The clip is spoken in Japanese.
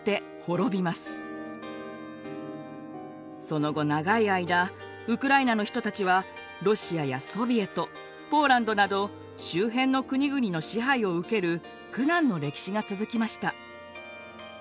その後長い間ウクライナの人たちはロシアやソビエトポーランドなど周辺の国々の支配を受ける苦難の歴史が続きました。